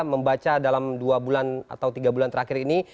membaca dalam dua bulan atau tiga bulan terakhir ini